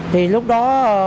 thì lúc đó